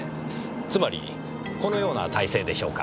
つまりこのような体勢でしょうか。